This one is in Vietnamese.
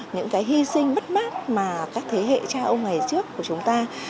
những cái hi sinh bất mát mà các thế hệ cha ông ngày trước của chúng ta